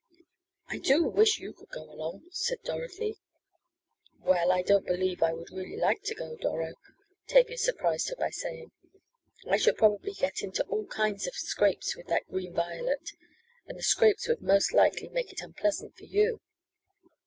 "I do wish you could go along," said Dorothy. "Well, I don't believe I would really like to go, Doro," Tavia surprised her by saying. "I should probably get into all kinds of scrapes with that Green Violet, and the scrapes would likely make it unpleasant for you.